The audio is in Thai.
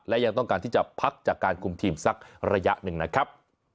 และยังต้องการที่จะพักจากการคุมทีมสักระยะหนึ่งนะครับ